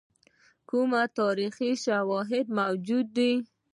کوم تاریخي شواهد موجود دي.